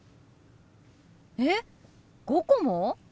えっ５個も？